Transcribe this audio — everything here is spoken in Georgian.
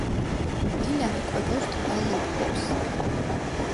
მდინარე კვებავს ტბა ლობ–ჰობს.